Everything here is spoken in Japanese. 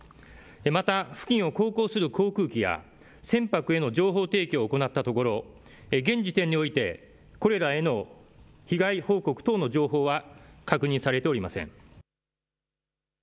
また付近を航行する航空機や船舶への情報提供を行ったところ現時点においてこれらへの被害、報告等の情報は確認されておりません。